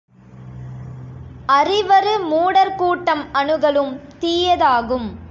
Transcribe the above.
அறிவறு மூடர் கூட்டம் அணுகலும் தீய தாகும்.